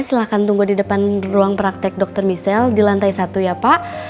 silahkan tunggu di depan ruang praktek dokter michelle di lantai satu ya pak